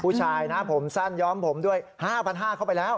ผู้ชายนะผมสั้นย้อมผมด้วย๕๕๐๐เข้าไปแล้ว